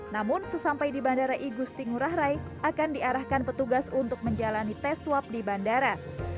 namun sesampai di bandara igustingurang akan diarahkan petugas untuk menjalani tes swab di bandara